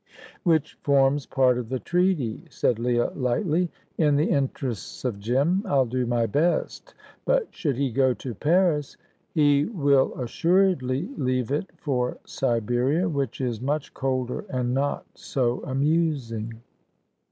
"Which forms part of the treaty," said Leah, lightly. "In the interests of Jim, I'll do my best; but should he go to Paris " "He will assuredly leave it for Siberia, which is much colder and not so amusing."